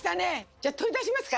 じゃあ取り出しますか？